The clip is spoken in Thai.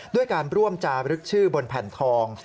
ด้วยการร่วมจารึกชื่อบนแผ่นทอง